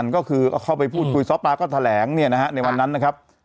ก็คือเข้าไปพูดคุยซ้อปลาก็แถลงเนี่ยนะฮะในวันนั้นนะครับ